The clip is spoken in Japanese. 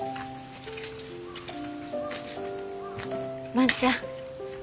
万ちゃん。